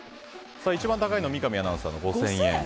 一番高いのは三上アナの５０００円。